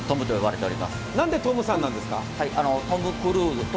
何でトムさんなんですか？